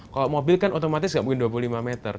kalau mobil kan otomatis nggak mungkin dua puluh lima meter